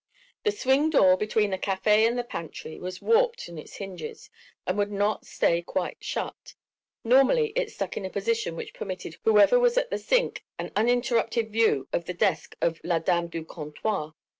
The swing door between the café and the pantry had warped on its hinges and would not stay quite shut. Normally it stuck in a position which permitted whoever was at the zinc an uninterrupted view of the desk of la dame du comptoir.